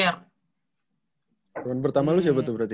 tahun pertama lu siapa tuh berarti